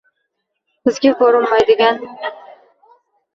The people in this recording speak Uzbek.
Bizga ko’rinmaydigan